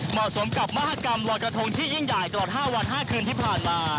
เหมาะสมกับมหากรรมลอยกระทงที่ยิ่งใหญ่ตลอด๕วัน๕คืนที่ผ่านมา